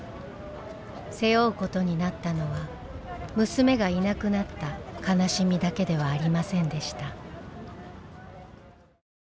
背負うことになったのは娘がいなくなった悲しみだけではありませんでした。